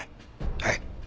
はい。